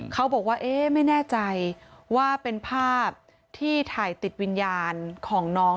เขาบอกว่าเอ๊ะไม่แน่ใจว่าเป็นภาพที่ถ่ายติดวิญญาณของน้อง